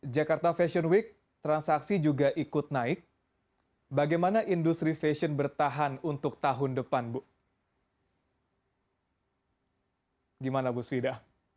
jakarta fashion week transaksi juga ikut naik bagaimana industri fashion bertahan untuk tahun depan bu gimana bu swida